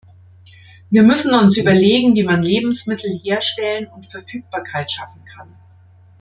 Wir müssen uns überlegen, wie man Lebensmittel herstellen und Verfügbarkeit schaffen kann.